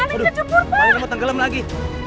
palingnya mau tenggelam lagi